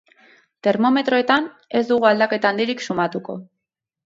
Termometroetan, ez dugu aldaketa handirik sumatuko.